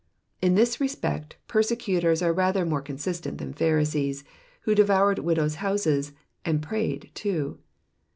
In this respect persecutors are rather more consistent than Pharisees who devoured widows' houses, and prayed too.